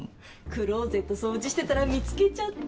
クローゼット掃除してたら見つけちゃって。